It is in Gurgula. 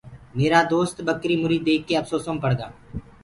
ميرآ دوست ٻڪريٚ مُريٚ ديک ڪي اڦسوسو مي پڙگآ۔